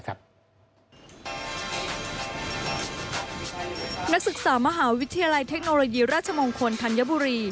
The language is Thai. นักศึกษามหาวิทยาลัยเทคโนโลยีราชมงคลธัญบุรี